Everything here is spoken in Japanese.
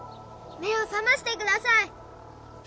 目をさましてください！